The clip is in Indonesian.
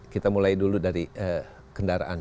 kita mulai dulu dari kendaraan